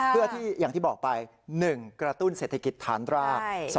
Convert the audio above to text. เพื่อที่อย่างที่บอกไป๑กระตุ้นเศรษฐกิจฐานราก